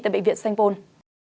tại bệnh viện sanh vôn